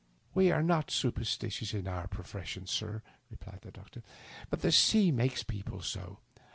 " "We are not superstitious in our profession, sir," re plied the doctor. "But the sea makes people so.